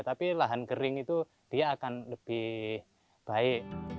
tapi lahan kering itu dia akan lebih baik